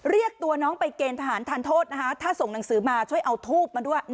เรียกตัวน้องไปเกณฑ์ทหารทานโทษนะคะถ้าส่งหนังสือมาช่วยเอาทูบมาด้วย